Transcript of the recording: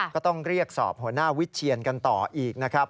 ก็ต้องเรียกสอบหัวหน้าวิเชียนกันต่ออีกนะครับ